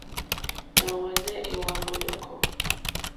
Nà hwànè èhwambo yɔ̀kɔ.